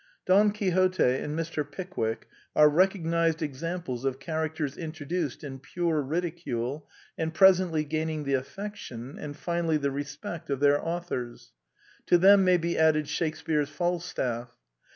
Don Quixote and Mr. Pickwick are recognized examples of characters introduced in pure ridicule, and presently gaining the affection, and finally the respect of their authors. To them may be added Shakespear's Falstaff.